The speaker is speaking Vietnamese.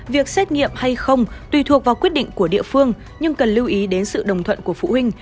việc xét nghiệm hay không tùy thuộc vào quyết định của địa phương nhưng cần lưu ý đến sự đồng thuận của phụ huynh